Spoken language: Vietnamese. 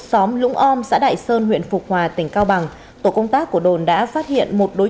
xóm lũng om xã đại sơn huyện phục hòa tỉnh cao bằng tổ công tác của đồn đã phát hiện một đối